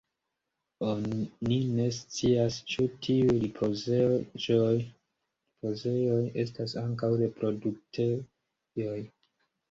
Oni ne scias ĉu tiuj ripozejoj estas ankaŭ reproduktejoj.